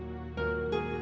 ja kita lanjut